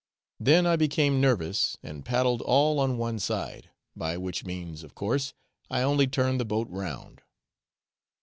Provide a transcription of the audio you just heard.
Then I became nervous, and paddled all on one side, by which means, of course, I only turned the boat round.